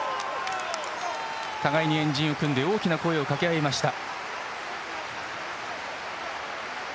互いに円陣を組んで大きな声をかけ合いました。